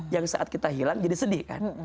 yang saat kita hilang jadi sedih kan